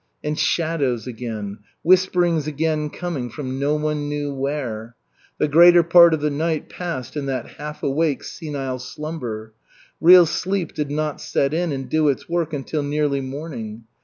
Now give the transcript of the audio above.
And shadows again, whisperings again coming from no one knew where. The greater part of the night passed in that half awake senile slumber. Real sleep did not set in and do its work until nearly morning.